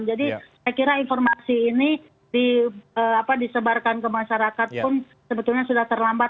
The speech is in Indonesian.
jadi saya kira informasi ini disebarkan ke masyarakat pun sebetulnya sudah terlambat